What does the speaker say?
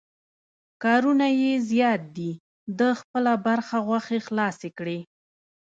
کارونه یې زیات دي، ده خپله برخه غوښې خلاصې کړې.